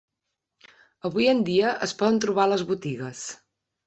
Avui en dia es poden trobar a les botigues.